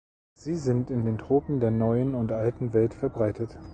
Sie sind in den Tropen der Neuen und Alten Welt verbreitet.